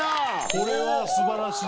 これは素晴らしい！